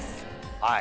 はい。